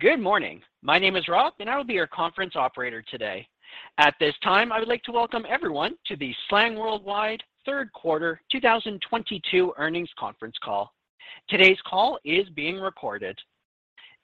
Good morning. My name is Rob. I will be your conference operator today. At this time, I would like to welcome everyone to the Slang Worldwide Third Quarter 2022 Earnings Conference Call. Today's call is being recorded.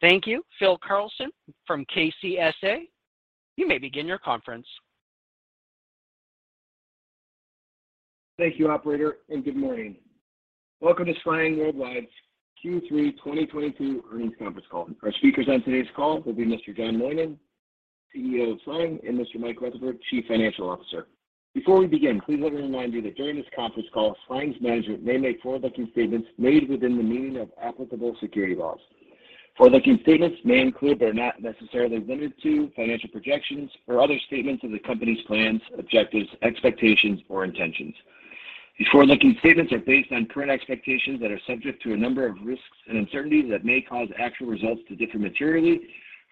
Thank you, Phil Carlson from KCSA. You may begin your conference. Thank you, operator. Good morning. Welcome to Slang Worldwide's Q3 2022 earnings conference call. Our speakers on today's call will be Mr. John Moynan, CEO of Slang, and Mr. Mike Rutherford, Chief Financial Officer. Before we begin, please let me remind you that during this conference call, Slang's management may make forward-looking statements made within the meaning of applicable security laws. Forward-looking statements may include, but are not necessarily limited to financial projections or other statements of the company's plans, objectives, expectations, or intentions. These forward-looking statements are based on current expectations that are subject to a number of risks and uncertainties that may cause actual results to differ materially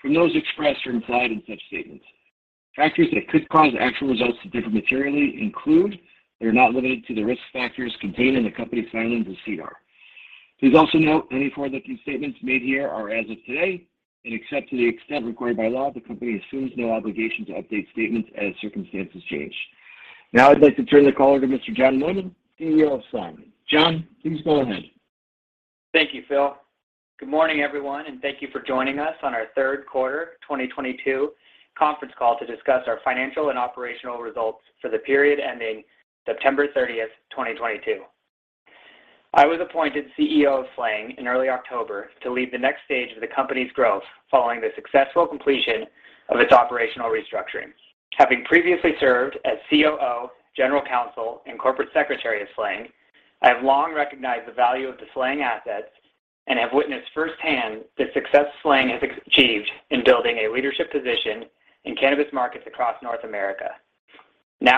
from those expressed or implied in such statements. Factors that could cause actual results to differ materially include, but are not limited to the risk factors contained in the company's filings with SEDAR. Please also note any forward-looking statements made here are as of today, and except to the extent required by law, the company assumes no obligation to update statements as circumstances change. Now I'd like to turn the call over to Mr. John Moynan, CEO of Slang. John, please go ahead. Thank you, Phil. Good morning, everyone, thank you for joining us on our third quarter 2022 conference call to discuss our financial and operational results for the period ending September 30th, 2022. I was appointed CEO of Slang in early October to lead the next stage of the company's growth following the successful completion of its operational restructuring. Having previously served as COO, General Counsel, and Corporate Secretary of Slang, I have long recognized the value of the Slang assets and have witnessed firsthand the success Slang has achieved in building a leadership position in cannabis markets across North America.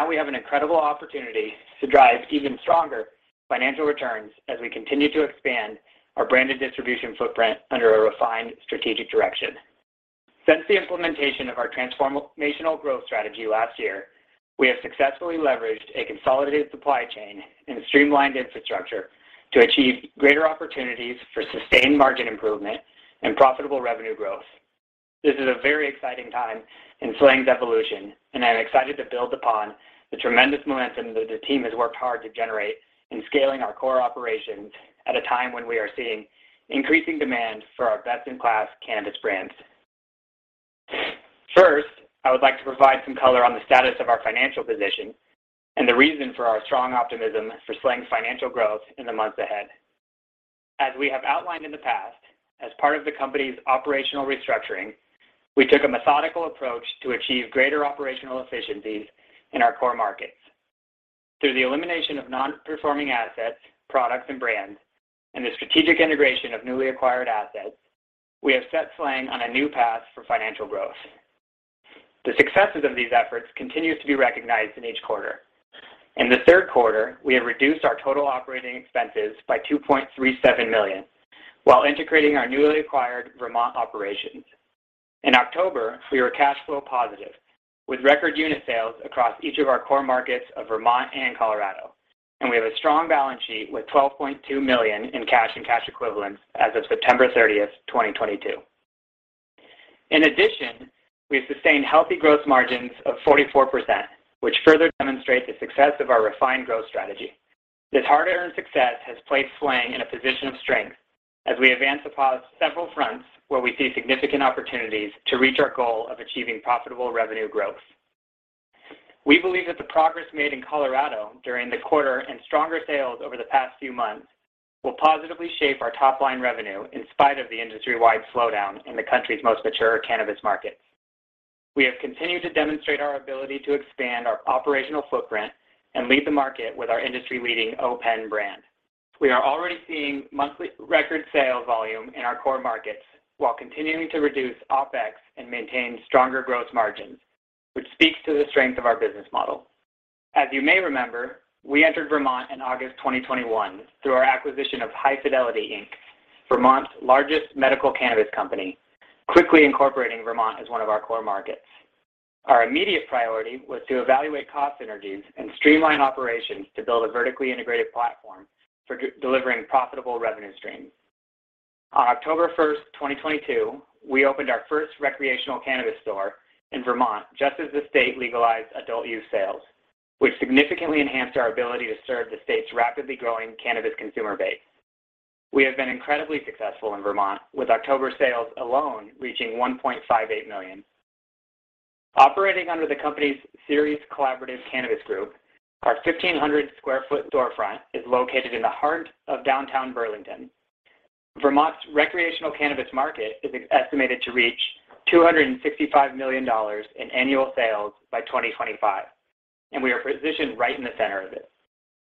We have an incredible opportunity to drive even stronger financial returns as we continue to expand our branded distribution footprint under a refined strategic direction. Since the implementation of our transformational growth strategy last year, we have successfully leveraged a consolidated supply chain and streamlined infrastructure to achieve greater opportunities for sustained margin improvement and profitable revenue growth. This is a very exciting time in Slang's evolution. I'm excited to build upon the tremendous momentum that the team has worked hard to generate in scaling our core operations at a time when we are seeing increasing demand for our best-in-class cannabis brands. First, I would like to provide some color on the status of our financial position and the reason for our strong optimism for Slang's financial growth in the months ahead. As we have outlined in the past, as part of the company's operational restructuring, we took a methodical approach to achieve greater operational efficiencies in our core markets. Through the elimination of non-performing assets, products, and brands, and the strategic integration of newly acquired assets, we have set Slang on a new path for financial growth. The successes of these efforts continues to be recognized in each quarter. In the third quarter, we have reduced our total operating expenses by $2.37 million while integrating our newly acquired Vermont operations. In October, we were cash flow positive with record unit sales across each of our core markets of Vermont and Colorado, and we have a strong balance sheet with $12.2 million in cash and cash equivalents as of September 30th, 2022. In addition, we have sustained healthy growth margins of 44%, which further demonstrate the success of our refined growth strategy. This hard-earned success has placed Slang in a position of strength as we advance upon several fronts where we see significant opportunities to reach our goal of achieving profitable revenue growth. We believe that the progress made in Colorado during the quarter and stronger sales over the past few months will positively shape our top-line revenue in spite of the industry-wide slowdown in the country's most mature cannabis markets. We have continued to demonstrate our ability to expand our operational footprint and lead the market with our industry-leading O.pen brand. We are already seeing monthly record sales volume in our core markets while continuing to reduce OpEx and maintain stronger growth margins, which speaks to the strength of our business model. As you may remember, we entered Vermont in August 2021 through our acquisition of High Fidelity, Inc., Vermont's largest medical cannabis company, quickly incorporating Vermont as one of our core markets. Our immediate priority was to evaluate cost synergies and streamline operations to build a vertically integrated platform for delivering profitable revenue streams. On October 1, 2022, we opened our first recreational cannabis store in Vermont just as the state legalized adult-use sales, which significantly enhanced our ability to serve the state's rapidly growing cannabis consumer base. We have been incredibly successful in Vermont, with October sales alone reaching $1.58 million. Operating under the company's Ceres Collaborative Cannabis Group, our 1,500 sq ft storefront is located in the heart of downtown Burlington. Vermont's recreational cannabis market is estimated to reach $265 million in annual sales by 2025. We are positioned right in the center of it.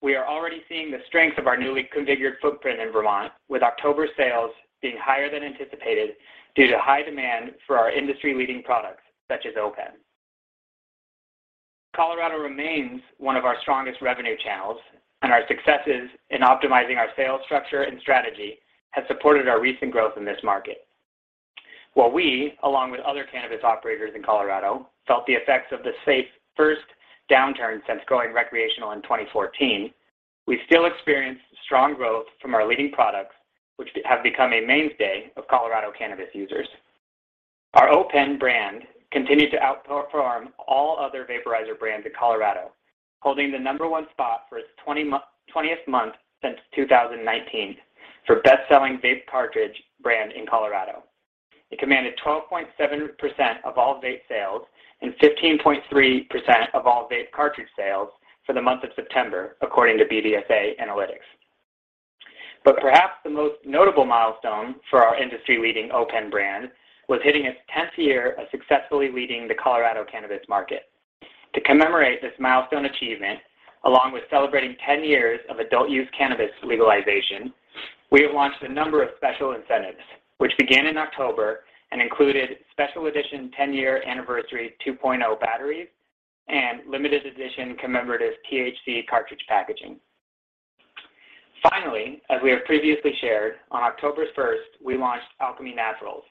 We are already seeing the strength of our newly configured footprint in Vermont, with October sales being higher than anticipated due to high demand for our industry-leading products, such as O.pen. Colorado remains one of our strongest revenue channels. Our successes in optimizing our sales structure and strategy have supported our recent growth in this market. While we, along with other cannabis operators in Colorado, felt the effects of the state's first downturn since going recreational in 2014, we still experienced strong growth from our leading products, which have become a mainstay of Colorado cannabis users. Our O.pen brand continued to outperform all other vaporizer brands in Colorado, holding the number one spot for its 20th month since 2019 for best-selling vape cartridge brand in Colorado. It commanded 12.7% of all vape sales and 15.3% of all vape cartridge sales for the month of September, according to BDSA Analytics. Perhaps the most notable milestone for our industry-leading O.pen brand was hitting its 10th year of successfully leading the Colorado cannabis market. To commemorate this milestone achievement, along with celebrating 10 years of adult-use cannabis legalization, we have launched a number of special incentives, which began in October and included special edition 10-year anniversary 2.0 batteries and limited edition commemorative THC cartridge packaging. As we have previously shared, on October 1st, we launched Alchemy Naturals,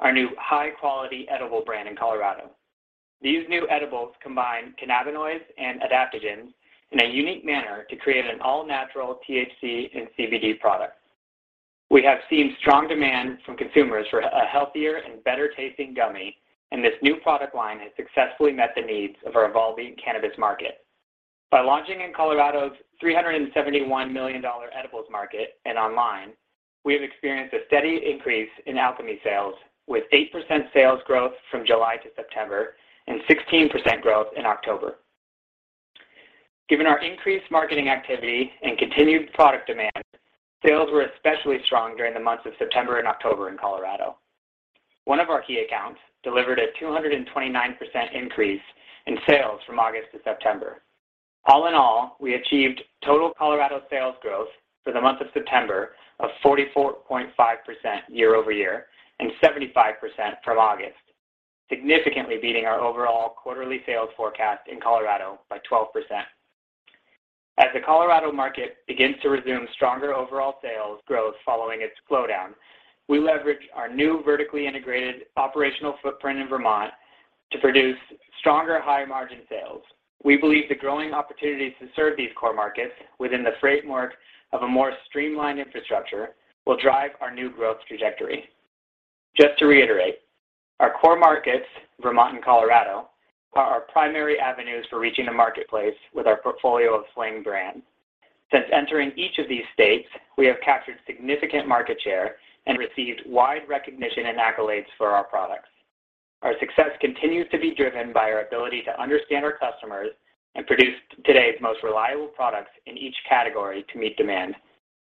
our new high-quality edible brand in Colorado. These new edibles combine cannabinoids and adaptogens in a unique manner to create an all-natural THC and CBD product. We have seen strong demand from consumers for a healthier and better-tasting gummy, and this new product line has successfully met the needs of our evolving cannabis market. By launching in Colorado's $371 million edibles market and online, we have experienced a steady increase in Alchemy sales, with 8% sales growth from July to September and 16% growth in October. Given our increased marketing activity and continued product demand, sales were especially strong during the months of September and October in Colorado. One of our key accounts delivered a 229% increase in sales from August to September. All in all, we achieved total Colorado sales growth for the month of September of 44.5% year-over-year and 75% from August, significantly beating our overall quarterly sales forecast in Colorado by 12%. As the Colorado market begins to resume stronger overall sales growth following its slowdown, we leverage our new vertically integrated operational footprint in Vermont to produce stronger high-margin sales. We believe the growing opportunities to serve these core markets within the framework of a more streamlined infrastructure will drive our new growth trajectory. Just to reiterate, our core markets, Vermont and Colorado, are our primary avenues for reaching the marketplace with our portfolio of Slang brands. Since entering each of these states, we have captured significant market share and received wide recognition and accolades for our products. Our success continues to be driven by our ability to understand our customers and produce today's most reliable products in each category to meet demand.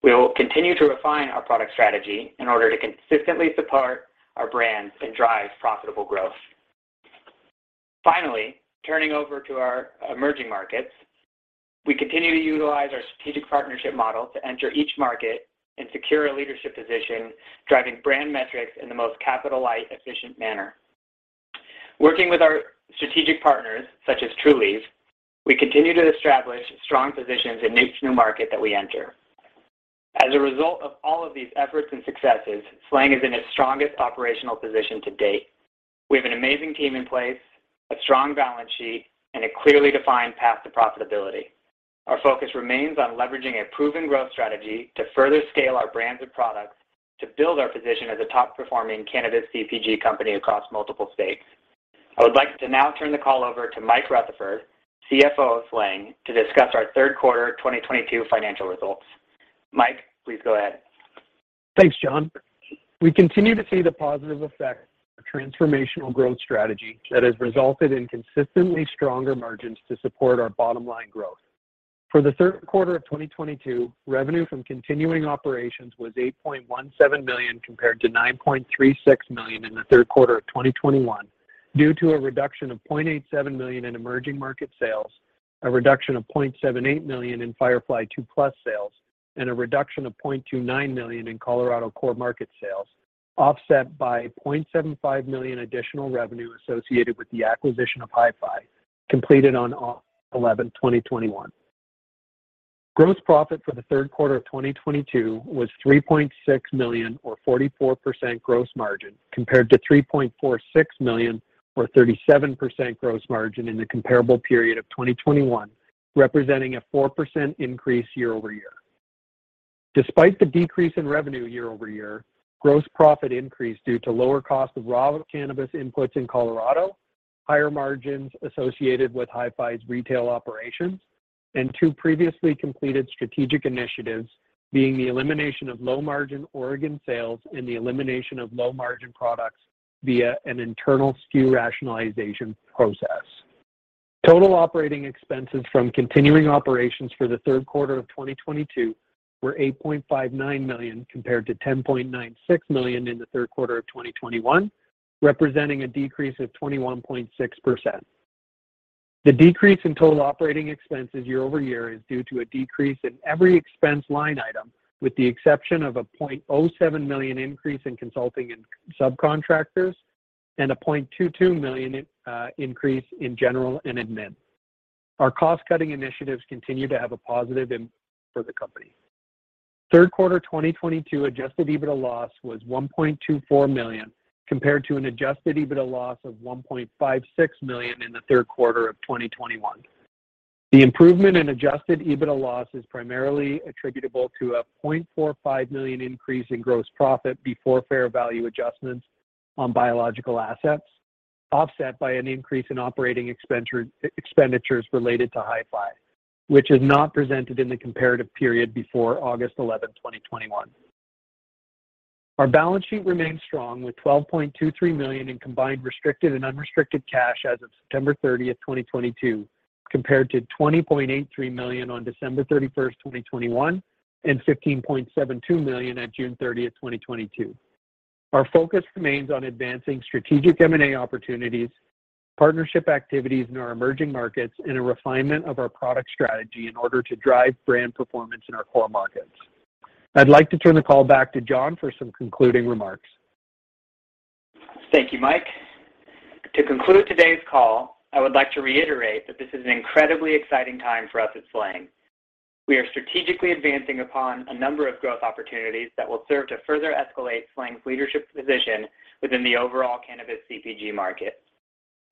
We will continue to refine our product strategy in order to consistently support our brands and drive profitable growth. Turning over to our emerging markets, we continue to utilize our strategic partnership model to enter each market and secure a leadership position, driving brand metrics in the most capital-light, efficient manner. Working with our strategic partners, such as Trulieve, we continue to establish strong positions in each new market that we enter. As a result of all of these efforts and successes, Slang is in its strongest operational position to date. We have an amazing team in place, a strong balance sheet, and a clearly defined path to profitability. Our focus remains on leveraging a proven growth strategy to further scale our brands and products to build our position as a top-performing cannabis CPG company across multiple states. I would like to now turn the call over to Mike Rutherford, CFO of Slang, to discuss our third quarter of 2022 financial results. Mike, please go ahead. Thanks, John Moynan. We continue to see the positive effects of transformational growth strategy that has resulted in consistently stronger margins to support our bottom-line growth. For the third quarter of 2022, revenue from continuing operations was $8.17 million compared to $9.36 million in the third quarter of 2021 due to a reduction of $0.87 million in emerging market sales, a reduction of $0.78 million in Firefly 2+ sales, and a reduction of $0.29 million in Colorado core market sales, offset by $0.75 million additional revenue associated with the acquisition of HiFi, completed on August 11, 2021. Gross profit for the third quarter of 2022 was $3.6 million or 44% gross margin, compared to $3.46 million or 37% gross margin in the comparable period of 2021, representing a 4% increase year-over-year. Despite the decrease in revenue year-over-year, gross profit increased due to lower cost of raw cannabis inputs in Colorado, higher margins associated with Hi-Fi's retail operations, and two previously completed strategic initiatives, being the elimination of low-margin Oregon sales and the elimination of low-margin products via an internal SKU rationalization process. Total operating expenses from continuing operations for the third quarter of 2022 were $8.59 million compared to $10.96 million in the third quarter of 2021, representing a decrease of 21.6%. The decrease in total operating expenses year-over-year is due to a decrease in every expense line item, with the exception of a $0.07 million increase in consulting and subcontractors and a $0.22 million increase in general and admin. Our cost-cutting initiatives continue to have a positive impact for the company. Third quarter 2022 adjusted EBITDA loss was $1.24 million, compared to an adjusted EBITDA loss of $1.56 million in the third quarter of 2021. The improvement in adjusted EBITDA loss is primarily attributable to a $0.45 million increase in gross profit before fair value adjustments on biological assets, offset by an increase in operating expenditures related to HiFi, which is not presented in the comparative period before August 11th, 2021. Our balance sheet remains strong, with $12.23 million in combined restricted and unrestricted cash as of September 30th, 2022, compared to $20.83 million on December 31st, 2021, and $15.72 million at June 30th, 2022. Our focus remains on advancing strategic M&A opportunities, partnership activities in our emerging markets, and a refinement of our product strategy in order to drive brand performance in our core markets. I'd like to turn the call back to John for some concluding remarks. Thank you, Mike. To conclude today's call, I would like to reiterate that this is an incredibly exciting time for us at Slang. We are strategically advancing upon a number of growth opportunities that will serve to further escalate Slang's leadership position within the overall cannabis CPG market.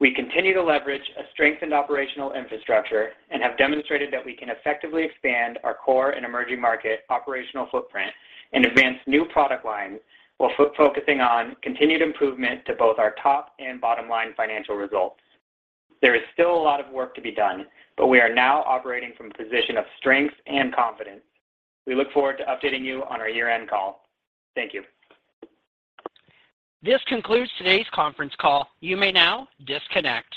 We continue to leverage a strengthened operational infrastructure and have demonstrated that we can effectively expand our core and emerging market operational footprint and advance new product lines while focusing on continued improvement to both our top and bottom line financial results. There is still a lot of work to be done, but we are now operating from a position of strength and confidence. We look forward to updating you on our year-end call. Thank you. This concludes today's conference call. You may now disconnect.